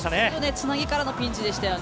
つなぎからのピンチでしたよね。